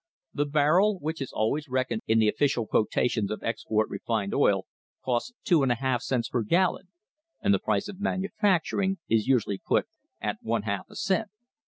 The barrel, which is always reckoned in the official quotations of export refined oil, costs two and a half cents per gallon, and the price of manufacturing is usually put at one half a cent.